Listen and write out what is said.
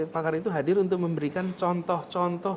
pakar itu hadir untuk memberikan contoh contoh